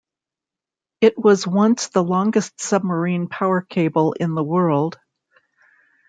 It was once the longest submarine power cable in the world.